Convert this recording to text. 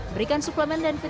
berikan suplemen dan fitur